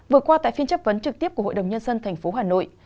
vừa qua tại phiên chấp vấn trực tiếp của hội đồng nhân dân thành phố hà nội